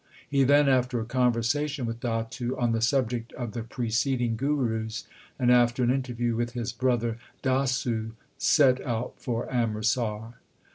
He then, after a conversation with Datu on the subject of the preceding Gurus, and after an interview with his brother Dasu, set out for Amritsar.